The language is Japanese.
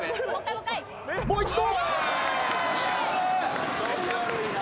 もう一度。